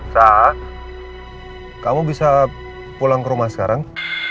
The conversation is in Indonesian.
sah kamu bisa pulang ke rumah sekarang